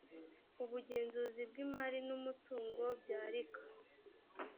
ubugenzuzi bw imari n umutungo bya rca